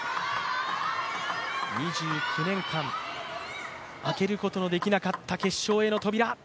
２９年間開けることのできなかった決勝への扉。